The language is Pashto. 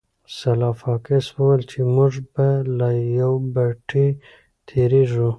سلای فاکس وویل چې موږ به له یوه پټي تیریږو